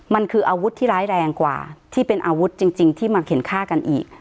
มันคืออาวุธที่ร้ายแรงกว่าที่เป็นอาวุธจริงที่มาเข็นฆ่ากันอีก